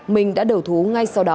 minh đã đầu thú ngay sau đó